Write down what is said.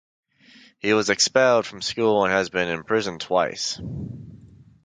He was expelled from school and has been in prison twice.